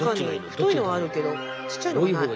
太いのはあるけどちっちゃいのはない。